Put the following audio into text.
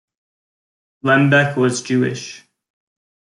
Lembeck was Jewish.